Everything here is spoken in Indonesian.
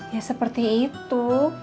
ya seperti itu